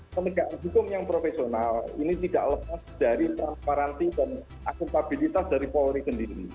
penegakan hukum yang profesional ini tidak lepas dari transparansi dan akuntabilitas dari polri sendiri